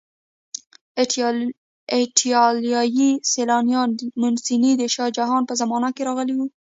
ایټالیایی سیلانی منوسي د شاه جهان په زمانه کې راغلی و.